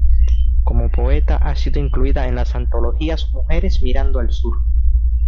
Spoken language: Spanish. Como poeta ha sido incluida en las antologías "Mujeres Mirando Al Sur.